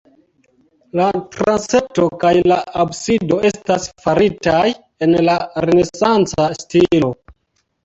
La transepto kaj la absido estas faritaj en la renesanca stilo.